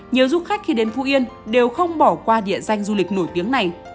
nhiều du khách khi đến phú yên đều không bỏ qua địa danh du lịch nổi tiếng này